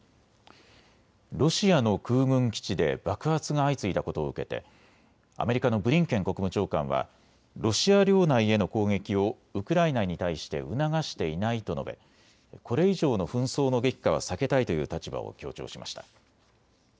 ロシアの空軍基地で爆発が相次いだことを受けてアメリカのブリンケン国務長官はロシア領内への攻撃をウクライナに対して促していないと述べ、これ以上の紛争の激化は避けたいという立場を強調しました。